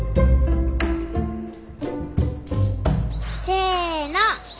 せの！